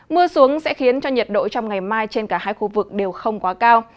mưa xuống sẽ khiến cho nhiệt độ trong ngày mai trên cả hai khu vực đều không quá cao